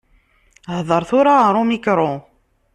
Hder tura ɣer umikru.